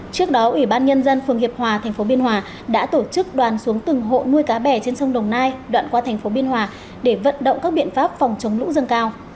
trước đó ủy ban nhân dân phường hiệp hòa tp biên hòa đã tổ chức đoàn xuống từng hộ nuôi cá bè trên sông đồng nai đoạn qua thành phố biên hòa để vận động các biện pháp phòng chống lũ dâng cao